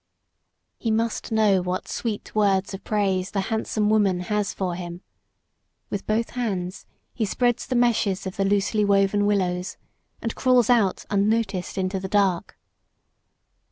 He must know what sweet words of praise the handsome woman has for him. With both hands he spreads the meshes of the loosely woven willows, and crawls out unnoticed into the dark.